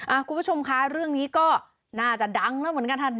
คุณผู้ชมคะเรื่องนี้ก็น่าจะดังแล้วเหมือนกันท่าน